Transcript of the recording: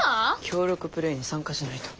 協力プレーに参加しないと。